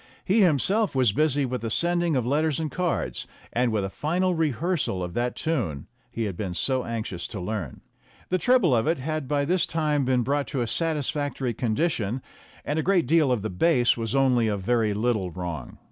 He himself was busy with the sending of letters and cards, and with a final rehearsal of that tune he had been so anxious to learn. The treble of it had by this time been brought to a satisfactory condition, and a great deal of the bass was only a very little wrong.